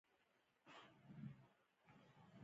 دوی ډېر مسلمانان ووژل.